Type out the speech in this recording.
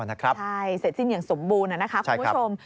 ใช่เสร็จสิ้นอย่างสมบูรณ์นะคะคุณผู้ชม